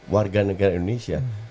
warga negara indonesia